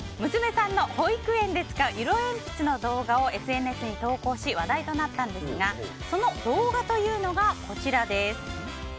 あるお父様が娘さんの保育園で使う色鉛筆の動画をＳＮＳに投稿し話題となったんですがその動画というのがこちらです。